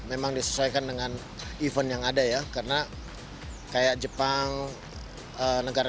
memang disesuaikan dengan event yang ada ya karena kayak jepang negara